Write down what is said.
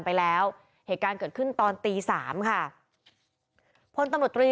ไปแล้วเหตุการณ์เกิดขึ้นตอนตีสามค่ะพลตำรวจตรี